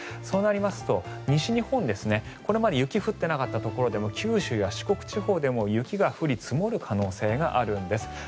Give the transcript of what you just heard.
そうなりますと、西日本これまで雪降ってなかったところでも九州や四国地方でも雪が降り積もる可能性があるんです。